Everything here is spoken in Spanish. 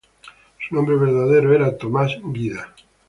Su nombre verdadero era Tomás Guida.